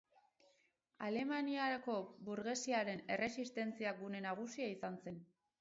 Alemaniako burgesiaren erresistentzia gune nagusia izan zen.